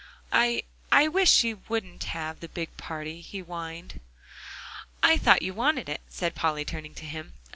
"I I wish she wouldn't have the big party," he whined. "I thought you wanted it," said Polly, turning to him.